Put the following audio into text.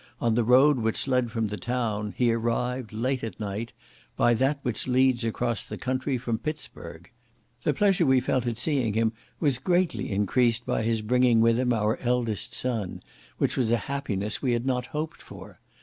on the road which led from the town, he arrived, late at night, by that which leads across the country from Pitzburgh. The pleasure we felt at seeing him was greatly increased by his bringing with him our eldest son, which was a happiness we had not hoped for.